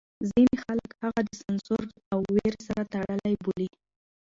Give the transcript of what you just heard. ځینې خلک هغه د سانسور او وېرې سره تړلی بولي.